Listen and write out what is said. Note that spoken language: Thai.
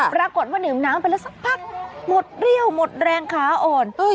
ปรากฏว่าดื่มน้ำไปแล้วสักพักหมดเรี่ยวหมดแรงขาอ่อน